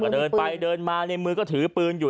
เดินไปเดินมาในมือก็ถือปืนอยู่